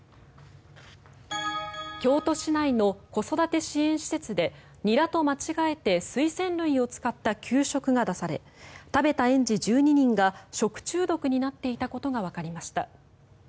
京都市内の子育て支援施設でニラと間違えてスイセン類を使った給食が出され食べた園児１２人が食中毒になっていたことがわかりました。